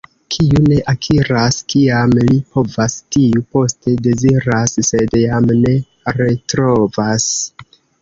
Kiu ne akiras, kiam li povas, tiu poste deziras, sed jam ne retrovas.